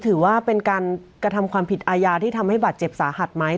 ถือว่าเป็นการกระทำความผิดอาญาที่ทำให้บาดเจ็บสาหัสไหม